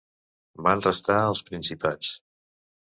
Van restar als principats.